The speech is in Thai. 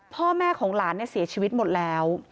พ่อแม่ของหลานเสียชีวิตหมดแล้ว